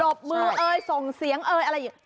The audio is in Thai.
บมือเอ่ยส่งเสียงเอ่ยอะไรอย่างนี้